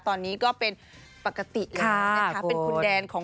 ตอนนี้ก็เป็นปกติเลยนะคะ